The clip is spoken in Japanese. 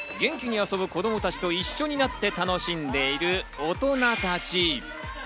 元気に遊ぶ子供たちと一緒になって楽しんでいる大人たち。